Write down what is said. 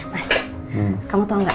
mas kamu tau gak